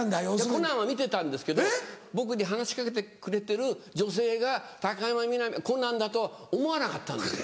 『コナン』は見てたんですけど僕に話し掛けてくれてる女性が高山みなみがコナンだとは思わなかったんですよ。